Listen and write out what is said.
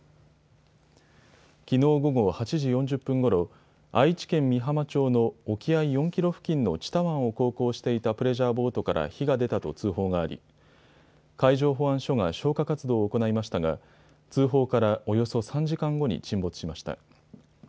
きのう午後８時４０分ごろ、愛知県美浜町の沖合４キロ付近の知多湾を航行していたプレジャーボートから火が出たと通報があり海上保安署が消火活動を行いましたが通報からおよそ３時間後に沈没しました。